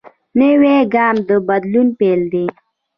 نوی ګام د بدلون پیل دی